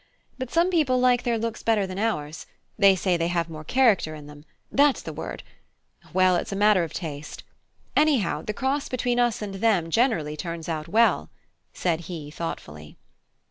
But some people like their looks better than ours; they say they have more character in them that's the word. Well, it's a matter of taste. Anyhow, the cross between us and them generally turns out well," added he, thoughtfully.